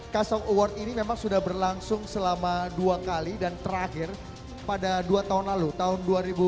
kasong award ini memang sudah berlangsung selama dua kali dan terakhir pada dua tahun lalu tahun dua ribu dua puluh